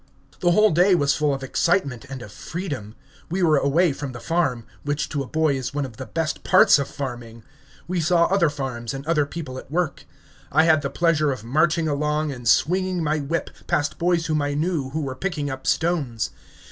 The whole day was full of excitement and of freedom. We were away from the farm, which to a boy is one of the best parts of farming; we saw other farms and other people at work; I had the pleasure of marching along, and swinging my whip, past boys whom I knew, who were picking up stones.